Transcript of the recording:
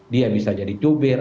dia bisa jadi cubir